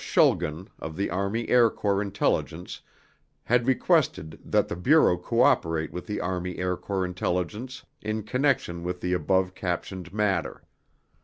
Schulgen of the Army Air Corps Intelligence had requested that the Bureau cooperate with the Army Air Corps intelligence in connection with the above captioned matter.